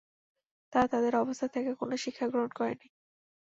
তারা তাদের অবস্থা থেকে কোন শিক্ষা গ্রহণ করেনি।